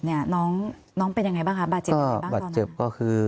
น้องน้องเป็นยังไงบ้างคะบาดเจ็บยังไงบ้างตอนเจ็บก็คือ